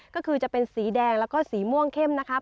ก็คือจะเป็นสีแดงแล้วก็สีม่วงเข้มนะครับ